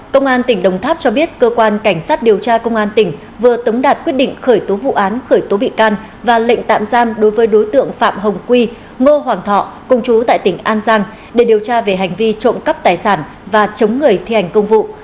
công an tỉnh đồng tháp cho biết cơ quan cảnh sát điều tra công an tỉnh vừa tống đạt quyết định khởi tố vụ án khởi tố bị can và lệnh tạm giam đối với đối tượng phạm hồng quy ngô hoàng thọ công chú tại tỉnh an giang để điều tra về hành vi trộm cắp tài sản và chống người thi hành công vụ